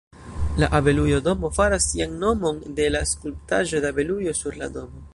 La Abelujo-Domo faras sian nomon de la skulptaĵo de abelujo sur la domo.